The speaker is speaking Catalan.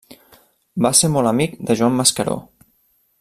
Va ser molt amic de Joan Mascaró.